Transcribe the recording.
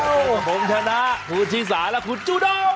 กับผมชนะผู้ชี้สาและผู้จูดอง